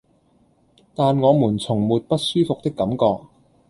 但我們從沒不舒服的感覺